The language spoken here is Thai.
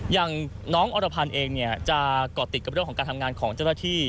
อย่างน้องอรพันธ์เองจะก่อติดกับเรื่องของการทำงานของเจ้าหน้าที่